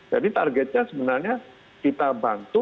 jadi targetnya sebenarnya kita bantu